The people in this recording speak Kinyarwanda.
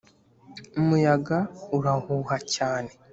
umuyaga urahuha cyane,